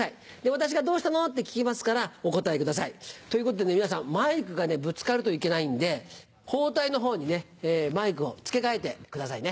私が「どうしたの？」って聞きますからお答えください。ということでね皆さんマイクがぶつかるといけないんで包帯のほうにマイクを付け替えてくださいね。